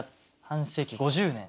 半世紀５０年。